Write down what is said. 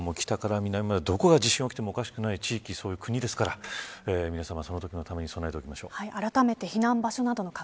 おっしゃるとおり日本は北から南までどこで地震が起きてもおかしくない地域ですから皆さま、そのときのために備えておきましょう。